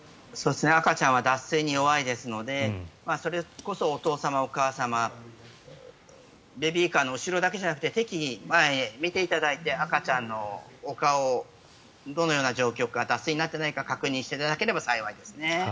赤ちゃんは脱水に弱いですのでそれこそお父様、お母様ベビーカーの後ろだけじゃなくて適宜、前を見ていただいて赤ちゃんのお顔がどのような状況か脱水になっていないか確認していただければ幸いですね。